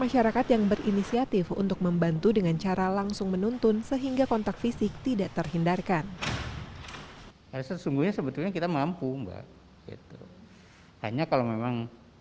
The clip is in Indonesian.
masyarakat yang berinisiatif untuk membantu dengan cara langsung menuntun